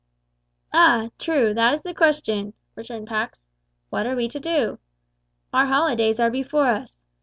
"Ah! true, that is the question," returned Pax; "what are we to do? Our holidays are before us.